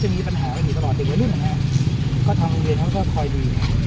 วิ่งถนกก็ทางเรี่ยนเขาก็คอยดมือ